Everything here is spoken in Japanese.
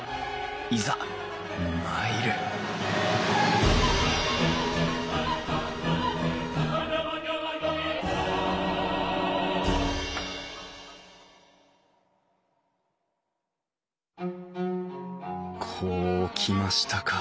いざ参るこうきましたか。